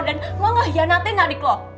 dan lo ngehianatin adik lo